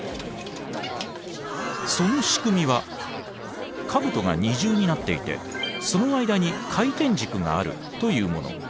その仕組みは兜が二重になっていてその間に回転軸があるというもの。